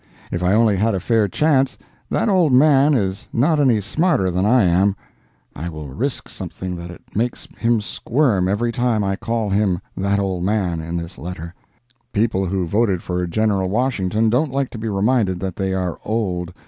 If I only had a fair chance, that old man is not any smarter than I am. (I will risk something that it makes him squirm every time I call him "that old man," in this letter. People who voted for General Washington don't like to be reminded that they are old.)